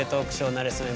なれそめ」